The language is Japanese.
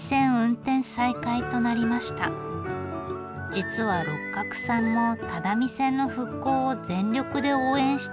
実は六角さんも只見線の復興を全力で応援してきた一人。